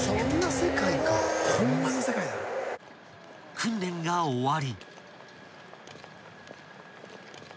［訓練が終わり］